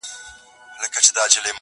په وښو او په اوربشو یې زړه سوړ وو!.